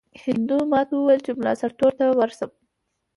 هندو ماته وویل چې مُلا سرتور ته ورشم.